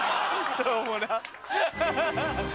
しょうもなっ！